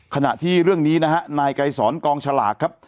ขณะที่เรื่องนี้นะฮะนายไกรสอนกองฉลากครับ